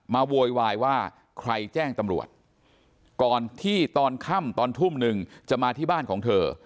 โวยวายว่าใครแจ้งตำรวจก่อนที่ตอนค่ำตอนทุ่มหนึ่งจะมาที่บ้านของเธอ